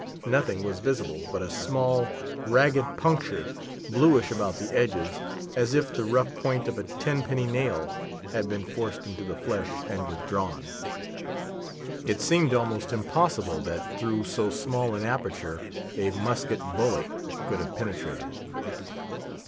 Nothing was visible but a small, ragged puncture, bluish about the edges, as if the rough point of a tenpenny nail had been forced into the flesh, and withdrawn. It seemed almost impossible, that through so small an aperture, a musket bullet could have penetrated.